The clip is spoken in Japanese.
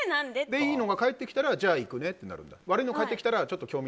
で、いいのが返ってきたら行くねって言うんだ。